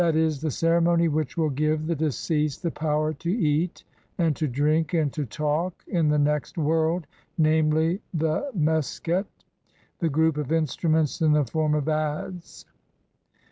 e., the ceremony which will give the deceased the power to eat, and to drink, and to talk in the next world, namely the Meskhet <r*s£3, the group of instruments in the form of adzes r* — v the 1.